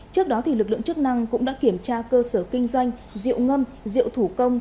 trước đó lực lượng chức năng cũng đã kiểm tra cơ sở kinh doanh rượu ngâm rượu thủ công